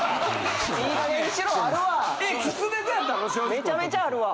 めちゃめちゃあるわ。